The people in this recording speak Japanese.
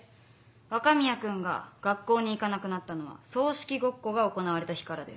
若宮君が学校に行かなくなったのは葬式ごっこが行われた日からです。